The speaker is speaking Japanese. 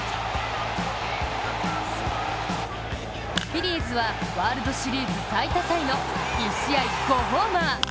フィリーズはワールドシリーズ最多タイの１試合５ホーマー。